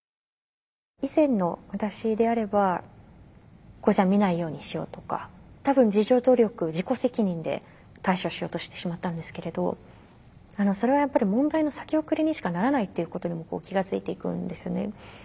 以前の私であれば見ないようにしようとか多分自助努力自己責任で対処しようとしてしまったんですけれどそれはやっぱり問題の先送りにしかならないっていうことに気が付いていくんですね。